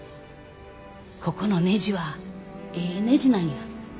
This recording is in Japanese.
ここのねじはええねじなんや。